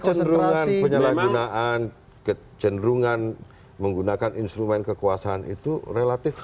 kecenderungan penyalahgunaan kecenderungan menggunakan instrumen kekuasaan itu relatif